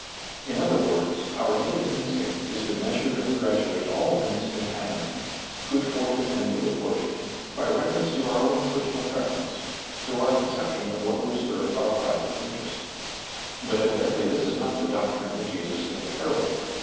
In other words, our native insdnct is to measure and graduate all events and happenings, good fortune and ill fortune, by reference to our own personal preference, to our conception of what would serve our private interest. But evidently this is not the doctrine of Jesus in the parable.